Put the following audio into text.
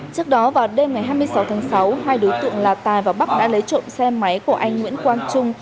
trước đó vào đêm ngày hai mươi sáu tháng sáu hai đối tượng là tài và bắc đã lấy trộm xe máy của anh nguyễn quang trung